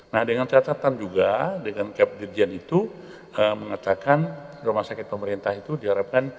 nah dengan catatan juga dengan cap dirjen itu mengatakan rumah sakit pemerintah itu diharapkan